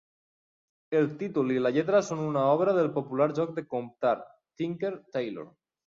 El títol i la lletra són una obra del popular joc de comptar, Tinker, Tailor.